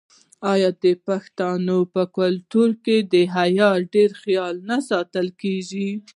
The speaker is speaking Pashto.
آیا د پښتنو په کلتور کې د حیا ډیر خیال نه ساتل کیږي؟